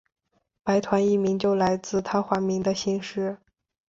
白团一名就来自他化名的姓氏。